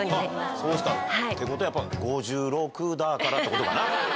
そうですか。ってことはやっぱり、５６だからってことかな。